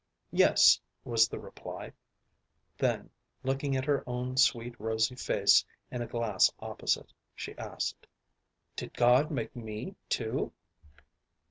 "Yes," was the reply. Then, looking at her own sweet, rosy face in a glass opposite, she asked, "Did God make me, too?"